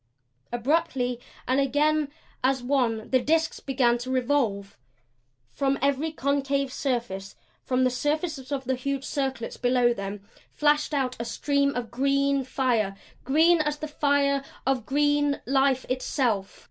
Abruptly, and again as one, the disks began to revolve. From every concave surface, from the surfaces of the huge circlets below them, flashed out a stream of green fire green as the fire of green life itself.